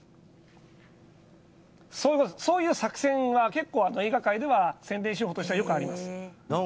そういう作戦は結構映画界では、宣伝手法としてはよくあります。